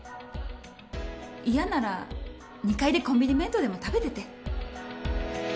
嫌なら２階でコンビニ弁当でも食べてて。